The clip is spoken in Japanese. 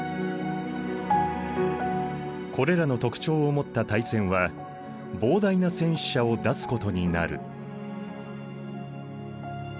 これらの特徴を持った大戦は膨大な戦死者を出すことになる。